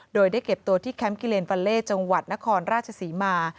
โดยได้เก็บตัวที่แคมป์กิเลนฟาเล่จังหวัดนครราชศรีมา